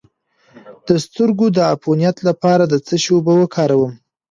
د سترګو د عفونت لپاره د څه شي اوبه وکاروم؟